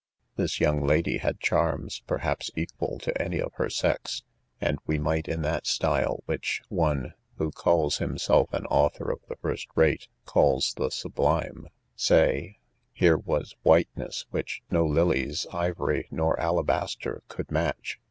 This young lady had charms perhaps equal to any of her sex; and we might in that style, which one, who calls himself an author of the first rate, calls the sublime, say, "Here was whiteness, which no lilies, ivory, nor alabaster could match.